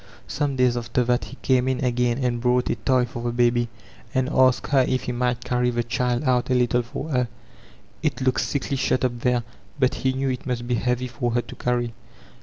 Some days after that he came in again, and brought a toy for the baby, and asked her if he might carry the child out a little for her; it looked sickly shut up there, but he knew it must be heavy for her to carry.